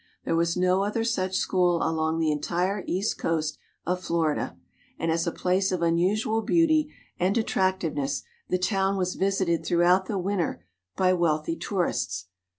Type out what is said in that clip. There was no other such school along the entire east coast of Florida, and as a place of unusual beauty and attractiveness the town was visited throughout the winter by wealthy tourists.